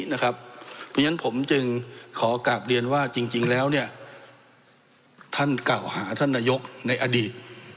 เพราะฉะนั้นผมจึงขอกลับเรียนว่าจริงแล้วท่านกล่าวหาท่านนายกในอดีต